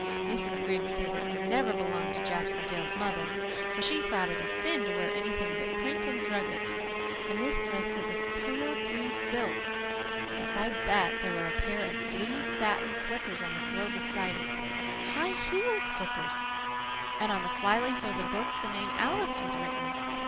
Mrs. Griggs says it NEVER belonged to Jasper Dale's mother, for she thought it a sin to wear anything but print and drugget; and this dress was of PALE BLUE silk. Besides that, there was a pair of blue satin slippers on the floor beside it HIGH HEELED slippers. And on the fly leaves of the books the name 'Alice' was written.